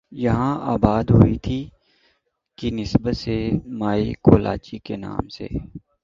یہاں آباد ہوئی تھی کی نسبت سے مائی کولاچی کے نام سے